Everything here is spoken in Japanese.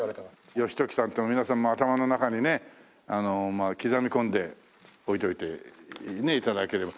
義時さんっていうのを皆さんも頭の中にね刻み込んでおいておいて頂ければ。